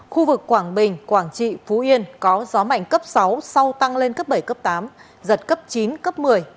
khu vực quảng bình quảng trị phú yên có gió mạnh cấp sáu sau tăng lên cấp bảy cấp tám giật cấp chín cấp một mươi